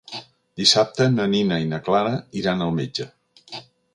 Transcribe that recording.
Dissabte na Nina i na Clara iran al metge.